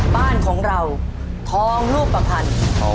บ้านของเราทองลูกประพันธ์